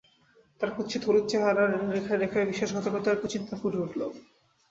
তার কুৎসিত হলুদ চেহারার রেখায় রেখায় বিশ্বাসঘাতকতা আর কুচিন্তা ফুটে উঠল।